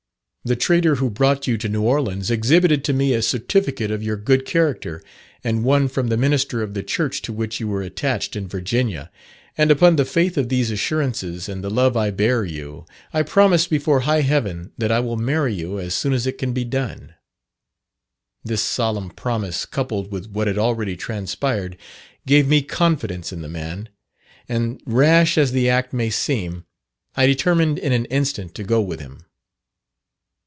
The trader who brought you to New Orleans exhibited to me a certificate of your good character, and one from the Minister of the Church to which you were attached in Virginia; and upon the faith of these assurances, and the love I bear you, I promise before high heaven that I will marry you as soon as it can be done.' This solemn promise, coupled with what had already transpired, gave me confidence in the man; and rash as the act may seem, I determined in an instant to go with him.